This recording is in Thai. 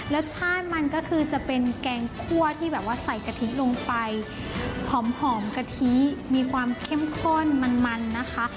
รสชาติมันก็คือจะเป็นแกงคั่วที่แบบว่าใส่กะทิลงไปหอมกะทิมีความเข้มข้นมันมันนะคะ